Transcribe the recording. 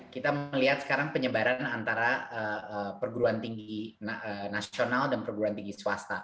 kita melihat sekarang penyebaran antara perguruan tinggi nasional dan perguruan tinggi swasta